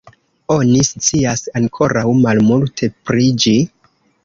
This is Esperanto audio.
Oni scias ankoraŭ malmulte pri ĝi.